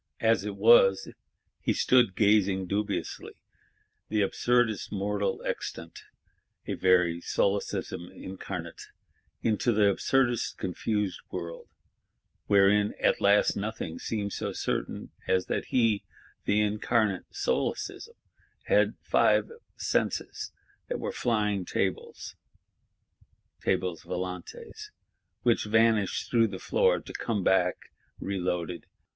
As it was, he stood gazing dubiously, the absurdest mortal extant (a very Solecism Incarnate), into the absurdest confused world;—wherein at lost nothing seemed so certain as that he, the incarnate Solecism, had five senses; that were Flying Tables (Tables Volantes, which vanish through the floor, to come back reloaded).